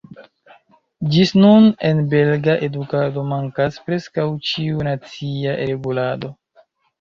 Ĝis nun en belga edukado mankas preskaŭ ĉiu nacia regulado.